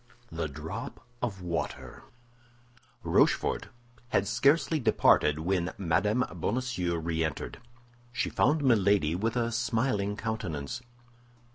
THE DROP OF WATER Rochefort had scarcely departed when Mme. Bonacieux re entered. She found Milady with a smiling countenance.